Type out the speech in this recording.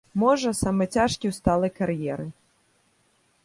Можа, самы цяжкі ў сталай кар'еры.